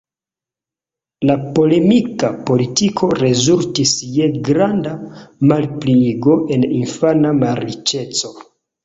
La polemika politiko rezultis je granda malpliigo en infana malriĉeco.